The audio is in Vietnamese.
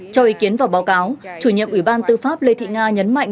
cho ý kiến vào báo cáo chủ nhiệm ủy ban tư pháp lê thị nga nhấn mạnh